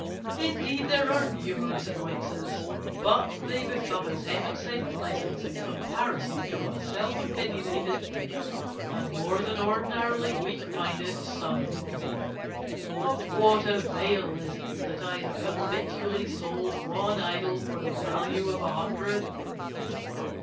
Indeed, there are numerous annoyances, but they become as Heaven sent blessings in comparison to a self opinionated and more than ordinarily weak minded son in law. Of what avail is it that I have habitually sold one idol for the value of a hundred?